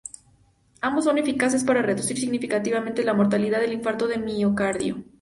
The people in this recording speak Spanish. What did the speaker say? Ambos son eficaces para reducir significativamente la mortalidad del infarto de miocardio.